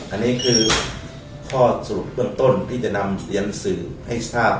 อันนี้คือข้อสรุปเบื้องต้นที่จะนำเรียนสื่อให้ทราบ